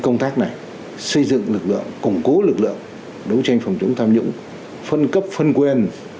công tác này xây dựng lực lượng củng cố lực lượng đấu tranh phòng chống tham nhũng phân cấp phân quyền